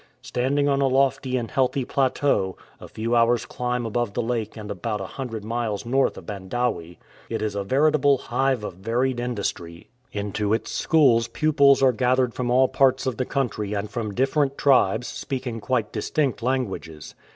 Standing on a lofty and healthy plateau, a few hours'* climb above the lake and about a hundred miles north of Bandawe, it is a veritable hive of varied industry. Into its schools pupils are gathered from all parts of the country and from different tribes speaking quite distinct languages.